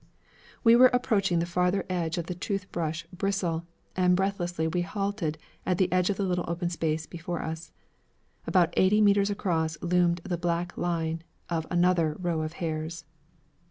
We were approaching the farther edge of the tooth brush 'bristle,' and breathlessly we halted at the edge of the little open space before us. About eighty metres across loomed the black line of another 'row of hairs.'